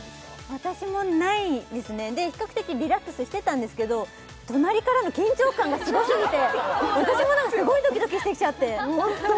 私もないですねで比較的リラックスしてたんですけど隣からの緊張感がすごすぎて私もすごいドキドキしてきちゃってホント？